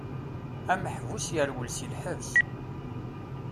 Ameḥbus yerwel si lḥebs.